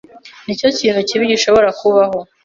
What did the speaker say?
Nicyo kintu kibi gishobora kubaho.